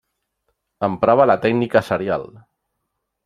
Emprava la tècnica serial.